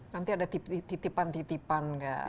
nanti ada titipan titipan nggak